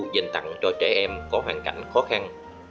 dành tặng cho trẻ em có hoàn cảnh khó khăn